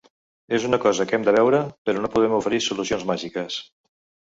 És una cosa que hem de veure, però no podem oferir solucions màgiques.